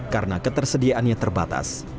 karena ketersediaannya terbatas